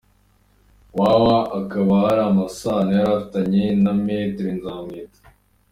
Wawa akaba hari amasano yari afitanye na Me Nzamwita.